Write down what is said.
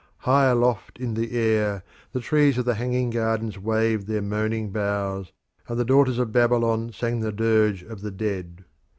High aloft in the air the trees of the hanging gardens waved their moaning boughs, and the daughters of Babylon sang the dirge of the dead.